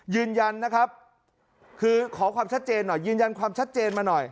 ยืนยันนะครับคือขอความชัดเจนหน่อยยืนยันความชัดเจนมาหน่อย